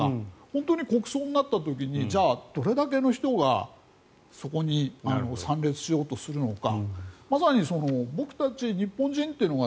本当に国葬になった時にじゃあどれだけの人がそこに参列しようとするのか。